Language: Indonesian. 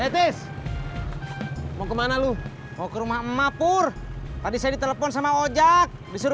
hai etis mau kemana lu mau ke rumah emak pur tadi saya ditelepon sama ojak disuruh